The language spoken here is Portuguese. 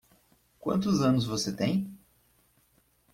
Quantos anos você tem?